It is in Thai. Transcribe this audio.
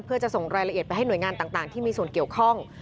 เพื่อจะส่งรายละเอียดไปให้หน่วยงานต่างที่มีส่วนเกี่ยวข้อง